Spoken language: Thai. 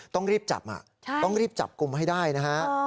ต้องรีบจับต้องรีบจับกลุ่มให้ได้นะฮะ